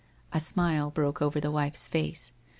A smile broke over the wife's face.